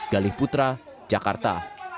galih putra jakarta